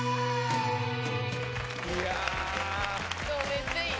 めっちゃいい。